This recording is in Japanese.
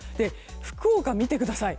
福岡、見てください。